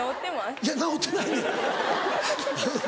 いや直ってないねん。